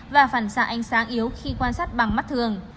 và phản xạ ánh sáng yếu khi quan sát bằng mắt thường